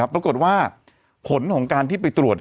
ปรากฏว่าผลของการที่ไปตรวจ